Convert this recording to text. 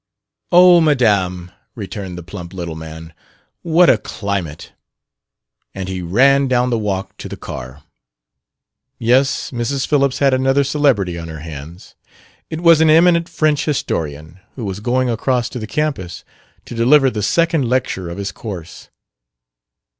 "Oh, Madame," returned the plump little man, "what a climate!" And he ran down the walk to the car. Yes, Mrs. Phillips had another celebrity on her hands. It was an eminent French historian who was going across to the campus to deliver the second lecture of his course.